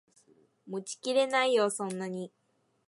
持ちきれないよそんなに